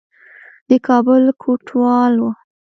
د کابل کوټوال وو.